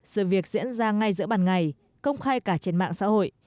sự việc diễn ra ngay giữa bàn ngày công khai cả trên mạng xã hội